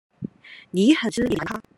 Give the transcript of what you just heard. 你很失禮蘭卡